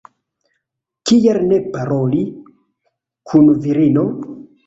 Kial ne paroli kun virino?